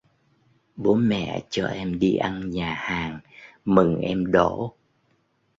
bố mẹ cho em đi ăn nhà hàng mừng em đỗ